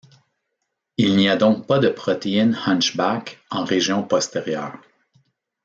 Il n'y a donc pas de protéine hunchback en région postérieure.